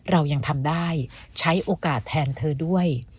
เรายังทำได้ใช้โอกาสแทนเธอด้วย